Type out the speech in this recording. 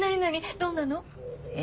どんなの？え？